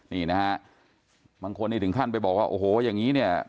นี่นะฮะบางคนนี่ถึงขั้นไปบอกว่าโอ้โหอย่างนี้เนี่ย